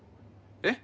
えっ？